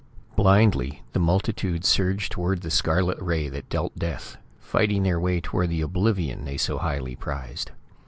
Blindly, the multitude surged towards the scarlet ray that dealt death, fighting their way toward the oblivion they so highly prized.